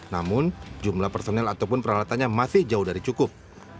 namun jumlah personel ataupun peralatannya masih jauh dari cukup